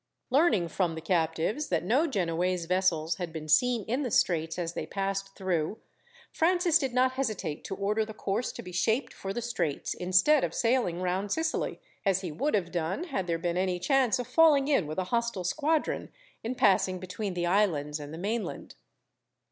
Learning, from the captives, that no Genoese vessels had been seen in the straits as they passed through, Francis did not hesitate to order the course to be shaped for the straits, instead of sailing round Sicily, as he would have done had there been any chance of falling in with a hostile squadron, in passing between the islands and the mainland.